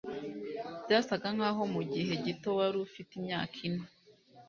Byasaga nkaho mugihe gito wari ufite imyaka ine